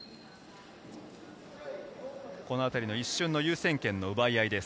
この辺りの一瞬の優先権の奪い合いです。